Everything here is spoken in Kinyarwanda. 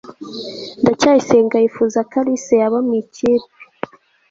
ndacyayisenga yifuza ko alice yaba mu ikipe